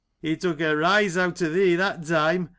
He took a rise out o' thee that time.